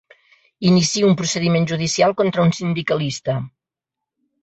Inicio un procediment judicial contra un sindicalista.